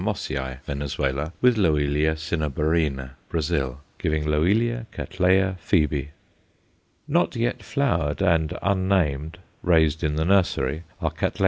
Mossiæ_, Venezuela, with Loelia cinnabarina, Brazil, giving Loelio Catt. Phoebe. Not yet flowered and unnamed, raised in the Nursery, are _Catt.